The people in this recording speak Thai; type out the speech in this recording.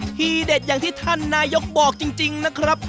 ทีเด็ดอย่างที่ท่านนายกบอกจริงนะครับ